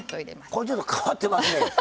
これちょっと変わってますね。